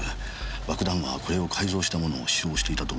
爆弾魔はこれを改造したものを使用していたと思われます。